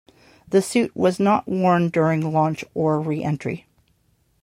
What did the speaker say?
The suit was not worn during launch or reentry.